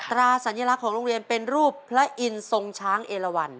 ตราสัญลักษณ์ของโรงเรียนเป็นรูปพระอินทร์ทรงช้างเอลวัน